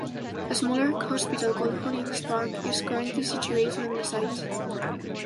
A smaller hospital called Hollins Park is currently situated on the site.